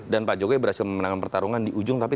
dan pak jokowi berhasil memenangkan pertarungan di ujung tapi